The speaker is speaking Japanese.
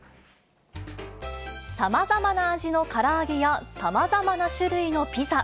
さまざまな味のから揚げや、さまざまな種類のピザ。